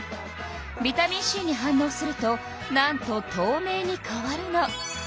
ビタミンＣに反のうするとなんととうめいに変わるの。